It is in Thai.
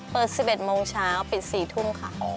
๑๑โมงเช้าปิด๔ทุ่มค่ะ